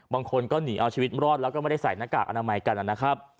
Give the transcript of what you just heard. บางคนก็หนีเอาชีวิตรอดแล้วก็ไม่ได้ใส่หน้ากากอนามัยกันนะครับ